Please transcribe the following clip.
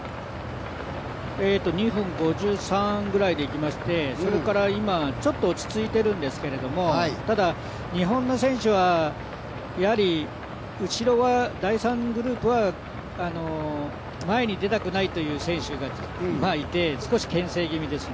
２分５３ぐらいでいきまして、それから今、ちょっと落ち着いているんですけれども、日本の選手はやはり後ろは第３グループは前に出たくないという選手がいて少しけん制気味ですね。